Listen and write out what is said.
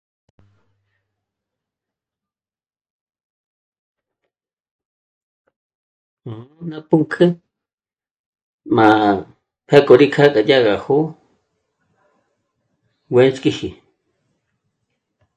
Ná pǔnk'ü m'a pjéko rí kë'ge dyàgä jò'o juéndzhk'iji